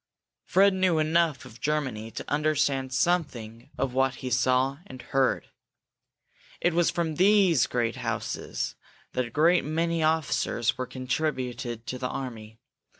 Fred knew enough of Germany to understand something of what he saw and heard. It was from these great houses that a great many officers were contributed to the army.